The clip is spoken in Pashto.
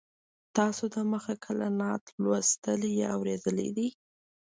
تاسو د مخه کله نعت لوستلی یا اورېدلی دی.